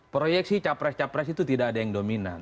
proyeksi capres capres itu tidak ada yang dominan